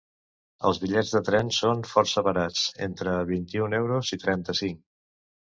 Els bitllets de tren són força barats, entre vint-i-u euros i trenta-cinc.